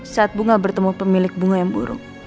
saat bunga bertemu pemilik bunga yang buruk